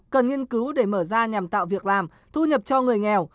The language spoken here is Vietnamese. cần nghiên cứu để mở ra nhằm tạo việc làm thu nhập cho người nghèo